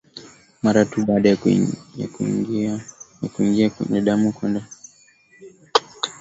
mara tu baada ya kuingia kwenye damu kuenda kwenye mfumo wa